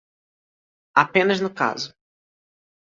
Apenas no caso.